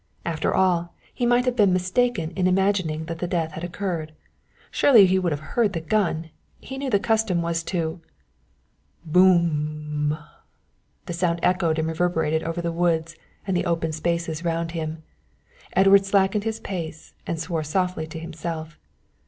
After all, he might have been mistaken in imagining that the death had occurred. Surely he would have heard the gun. He knew that the custom was to _Boom m m _ The sound echoed and reverberated over the woods and the open spaces round him. Edward slackened his pace, and swore softly to himself.